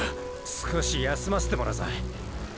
少し休ませてもらうぞ。